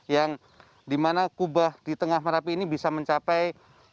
yang dimana kubah di tengah merapi ini bisa mencapai